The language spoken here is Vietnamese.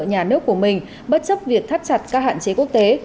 nhà nước của mình bất chấp việc thắt chặt các hạn chế quốc tế